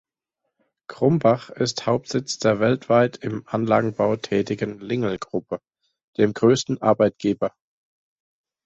Krumbach ist Hauptsitz der weltweit im Anlagenbau tätigen Lingl-Gruppe, dem größten Arbeitgeber.